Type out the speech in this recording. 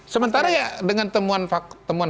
sementara ya dengan temuan